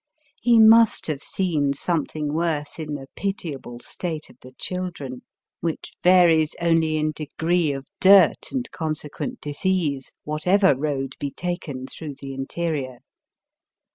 He must have seen something worse in the pitiable state of the children, which varies only in degree of dirt and consequent disease whatever road be taken through the interior.